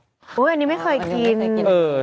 อันนี้ไม่เคยกิน